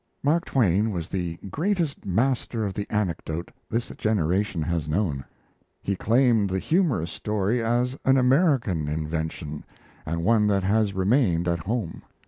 Mark Twain was the greatest master of the anecdote this generation has known. He claimed the humorous story as an American invention, and one that has remained at home.